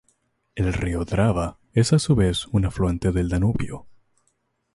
El río Drava es a su vez un afluente del Danubio.